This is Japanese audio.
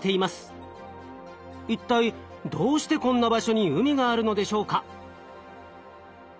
一体どうしてこんな場所に海があるのでしょうか？